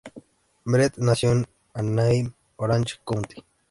Brett nació en Anaheim, Orange County.